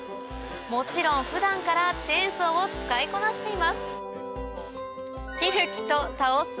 もちろん普段からチェーンソーを使いこなしています